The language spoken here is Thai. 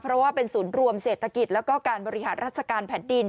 เพราะว่าเป็นศูนย์รวมเศรษฐกิจแล้วก็การบริหารราชการแผ่นดิน